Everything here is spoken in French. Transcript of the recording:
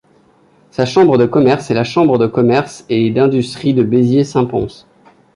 Sa Chambre de commerce est la Chambre de commerce et d'industrie de Béziers Saint-Pons.